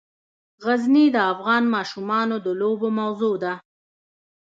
غزني د افغان ماشومانو د لوبو موضوع ده.